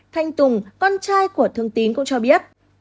thanh tùng con trai của thương tín cũng cho biết